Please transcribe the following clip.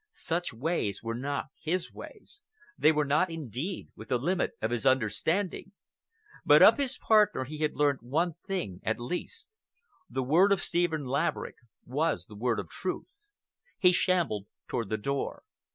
Such ways were not his ways. They were not, indeed, within the limit of his understanding. But of his partner he had learned one thing, at least. The word of Stephen Laverick was the word of truth. He shambled toward the door.